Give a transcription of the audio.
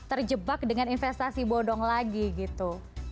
terjebak dengan investasi bodong lagi gitu